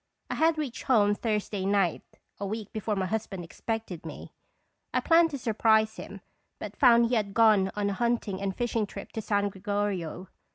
I had reached home Thursday night, a week before my husband expected me. I planned to surprise him, but found he had gone on a hunting and fishing trip to San Gregorio.